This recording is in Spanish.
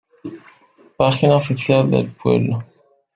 Página oficial del pueblo